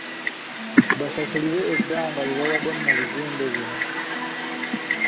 Basasulire ebbanga lye babaddemu mu bizimbe bino.